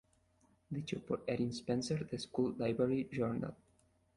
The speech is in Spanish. Dicho por Erin Spencer de "School Library Journal".